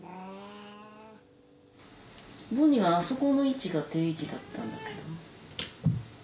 ボニーはあそこの位置が定位置だったんだけどな。